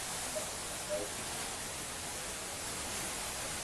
সেই খেলাতেই হেরে গেলেন ফুটবল মাঠে বলকে নিজের ইচ্ছেমতো কথা বলানো নেইমার।